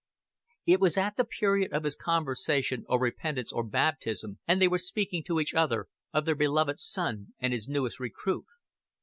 It was at the period of his conversion or repentance or baptism, and they were speaking to each other of Their Beloved Son and His newest recruit.